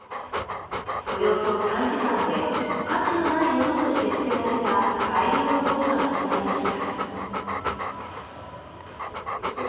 およそ３時間で価値のないものとして捨てられた大量のごみが集まりました。